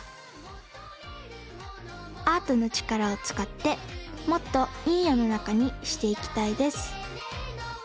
アートのちからをつかってもっといいよのなかにしていきたいです。